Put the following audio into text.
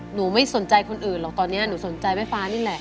หนูไม่สนใจคนอื่นหรอกตอนนี้หนูสนใจแม่ฟ้านี่แหละ